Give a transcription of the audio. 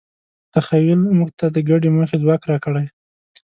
تخیل موږ ته د ګډې موخې ځواک راکړی.